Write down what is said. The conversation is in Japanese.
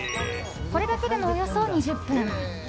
これだけでも、およそ２０分。